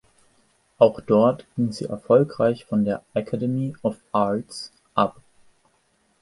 Auch dort ging sie erfolgreich von der "Academy of Arts" ab.